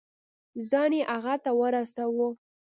ځان يې هغه ته ورساوه.